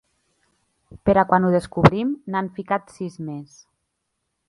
Per a quan ho descobrim, n’han ficat sis més.